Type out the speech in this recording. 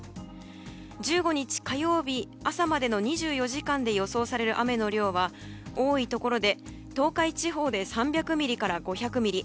１５日火曜日朝までの２４時間で予想される雨の量は多いところで東海地方で３００ミリから５００ミリ